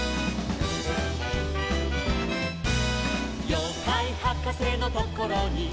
「ようかいはかせのところに」